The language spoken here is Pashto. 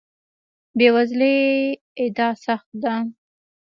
بې وزلۍ ادعا سخت ده.